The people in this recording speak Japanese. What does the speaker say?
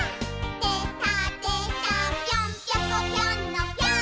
「でたでたぴょんぴょこぴょんのぴょーん」